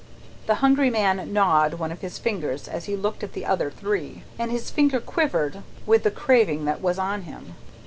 The hungry man gnawed one of his fingers as he looked at the other three, and his finger quivered with the craving that was on him.